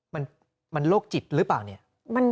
มันโรคจิตหรือเปล่าเนี่ย